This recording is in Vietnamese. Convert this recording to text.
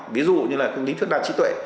ví dụ như là công lý thuyết đạt trí tuệ